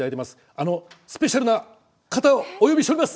あのスペシャルな方をお呼びしております。